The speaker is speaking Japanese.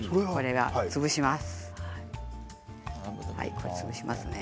潰します。